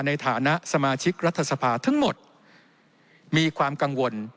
ในฐานะสมาชิกรัฐสภาทั้งหมดมีความกังวล